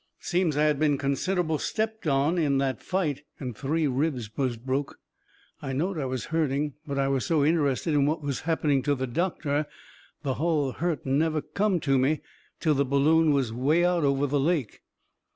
It seems I had been considerable stepped on in that fight, and three ribs was broke. I knowed I was hurting, but I was so interested in what was happening to the doctor the hull hurt never come to me till the balloon was way out over the lake.